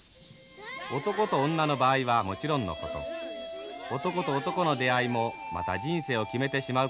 男と女の場合はもちろんのこと男と男の出会いもまた人生を決めてしまうことがある。